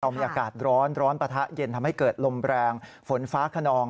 มีอากาศร้อนร้อนปะทะเย็นทำให้เกิดลมแรงฝนฟ้าขนอง